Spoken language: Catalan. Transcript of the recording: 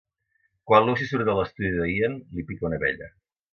Quan Lucy surt de l'estudi de Ian, li pica una abella.